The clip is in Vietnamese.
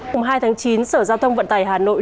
mùng hai tháng chín sở giao thông vận tải hà nội